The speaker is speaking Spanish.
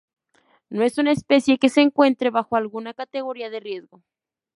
No es una especie que se encuentre bajo alguna categoría de riesgo.